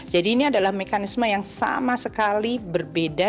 jadi ini adalah mekanisme yang sama sekali berbeda